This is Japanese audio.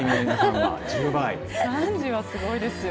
３０はすごいですよ。